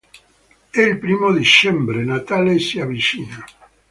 È il primo dicembre, Natale si avvicina.